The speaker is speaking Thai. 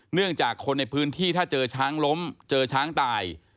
เนื่องจากคนในพื้นที่ถ้าเจอช้างล้มเจอช้างตาย